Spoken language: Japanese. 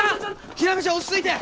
日菜美ちゃん落ち着いて！